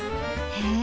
へえ！